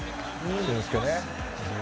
俊輔ね。